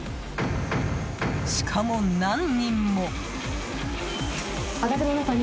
しかも、何人も！